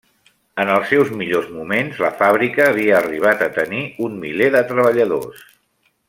En els seus millors moments la fàbrica havia arribat a tenir un miler de treballadors.